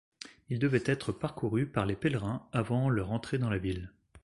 Il devait être parcouru par les pèlerins avant leur entrée dans la ville.